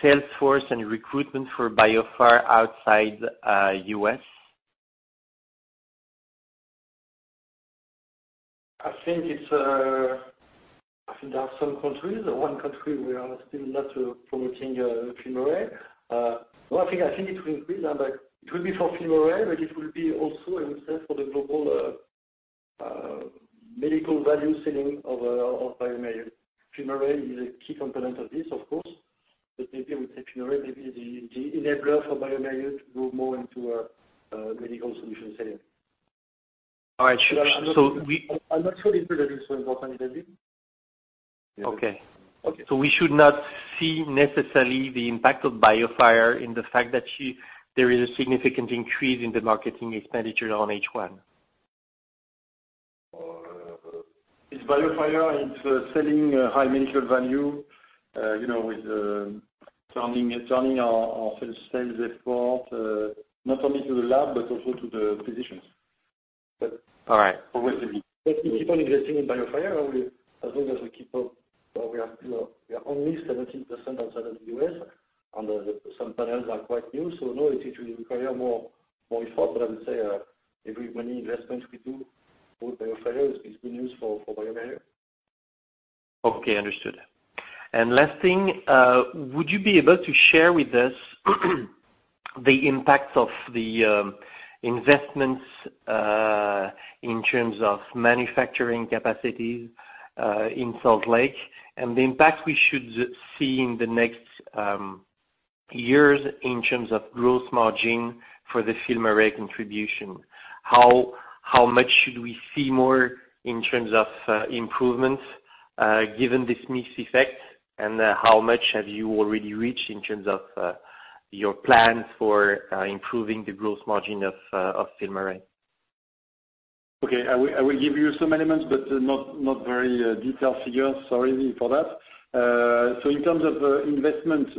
sales force and recruitment for BioFire outside U.S.? I think there are some countries, one country we are still not promoting FilmArray. One thing I think it will increase, it will be for FilmArray, but it will be also, I would say, for the global medical value selling of bioMérieux. FilmArray is a key component of this, of course, but maybe I would say FilmArray, maybe the enabler for bioMérieux to go more into a medical solution setting. All right. I'm not sure this is so important, David. Okay. Okay. We should not see necessarily the impact of BioFire in the fact that there is a significant increase in the marketing expenditure on H1. It's BioFire, it's selling high medical value, with turning our sales effort, not only to the lab but also to the physicians. All right. Progressively. We keep on investing in BioFire, as long as we keep up, we are still only 17% outside of the U.S., and some panels are quite new, no, it will require more effort. I would say every money investment we do for BioFire is good news for bioMérieux. Okay, understood. Last thing, would you be able to share with us the impact of the investments, in terms of manufacturing capacities in Salt Lake, and the impact we should see in the next years in terms of gross margin for the FilmArray contribution? How much should we see more in terms of improvements, given this mix effect, and how much have you already reached in terms of your plans for improving the gross margin of FilmArray? I will give you some elements, but not very detailed figures. Sorry for that. In terms of investment,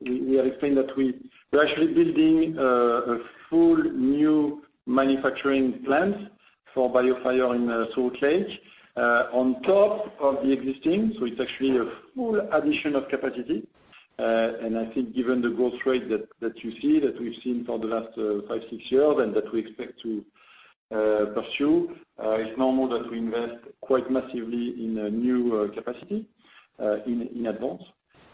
we have explained that we're actually building a full new manufacturing plant for BioFire in Salt Lake City, on top of the existing. It's actually a full addition of capacity. I think given the growth rate that you see, that we've seen for the last five, six years, and that we expect to pursue, it's normal that we invest quite massively in a new capacity in advance.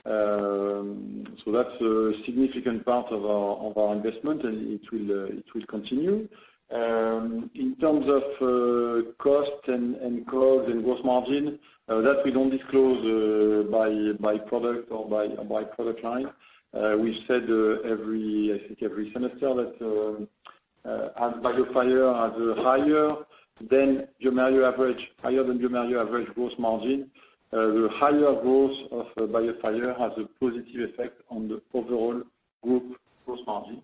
That's a significant part of our investment, and it will continue. In terms of cost and gross margin, that we don't disclose by product or by product line. We've said, I think every semester that as BioFire has a higher than bioMérieux average gross margin, the higher gross of BioFire has a positive effect on the overall group gross margin.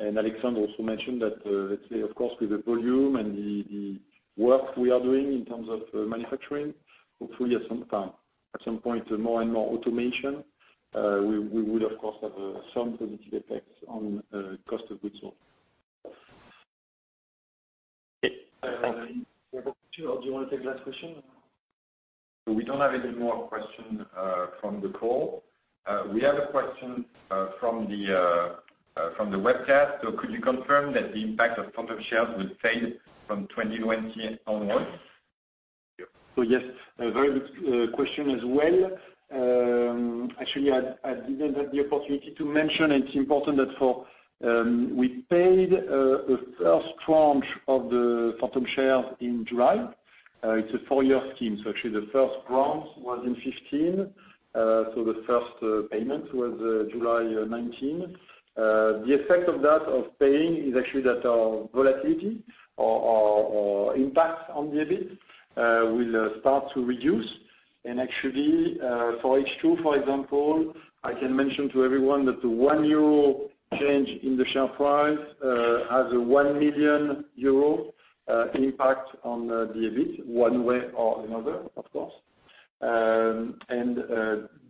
Alexandre also mentioned that, let's say, of course, with the volume and the work we are doing in terms of manufacturing, hopefully at some point, more and more automation, we would, of course, have some positive effects on cost of goods sold. Okay. Thank you. Do you want to take the last question? We don't have any more questions from the call. We have a question from the webcast. Could you confirm that the impact of phantom shares will fade from 2020 onwards? Yes, a very good question as well. Actually, I didn't have the opportunity to mention, and it's important that we paid a first tranche of the phantom shares in July. It's a four-year scheme, actually, the first tranche was in 2015. The first payment was July 2019. The effect of that, of paying, is actually that our volatility or impact on the EBIT will start to reduce. Actually, for H2, for example, I can mention to everyone that the 1 euro change in the share price has a 1 million euro impact on the EBIT, one way or another, of course.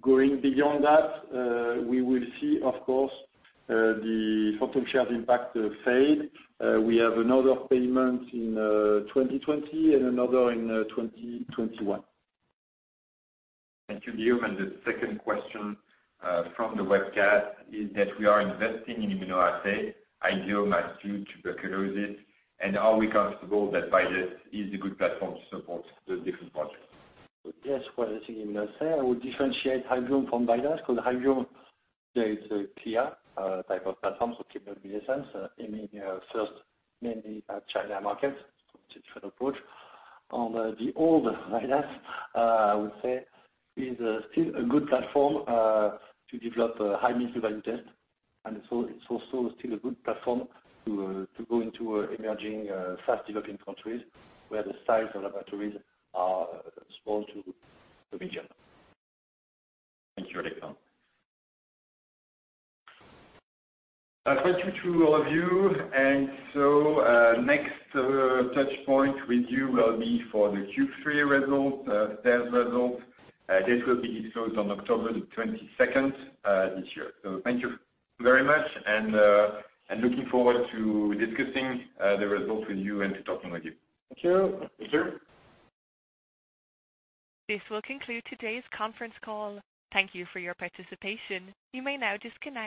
Going beyond that, we will see, of course, the phantom shares impact fade. We have another payment in 2020 and another in 2021. Thank you, Guillaume. The second question from the webcast is that we are investing in immunoassays, IGRA, [Matthew,] tuberculosis, and are we comfortable that VIDAS is a good platform to support the different projects? Yes. For the thing you must say, I would differentiate IgY from VIDAS, because IgY there is a clear type of platform, so essence, aiming first mainly at China market. It's a different approach. On the old VIDAS, I would say is still a good platform to develop high medical value test. It's also still a good platform to go into emerging, fast-developing countries, where the size of laboratories are small to medium. Thank you, Alexandre. Thank you to all of you. Next touchpoint with you will be for the Q3 results, sales results. This will be disclosed on October 22nd this year. Thank you very much, and looking forward to discussing the results with you and to talking with you. Thank you. Thank you. This will conclude today's conference call. Thank you for your participation. You may now disconnect.